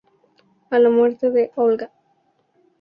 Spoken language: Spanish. A la muerte de Olga, Janáček dedicará esta obra a su memoria.